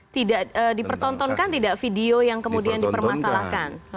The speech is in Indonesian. tidak dipertontonkan tidak video yang kemudian dipermasalahkan